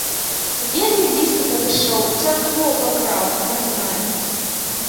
Вельмі блізка падышоў, царкву абакраў, прагналі.